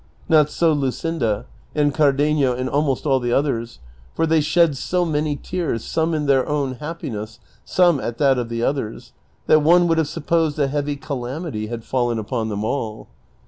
Not so Luscinda, and Cardenio, and almost all the others, for they shed so many tears, some in their own hap})iness, some at that of the others, that one would have supposed a heavy calamity had fallen upon them all.